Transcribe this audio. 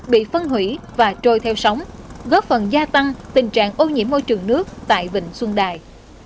bị phân hủy và trôi theo sóng góp phần gia tăng tình trạng ô nhiễm môi trường nước tại vịnh xuân đài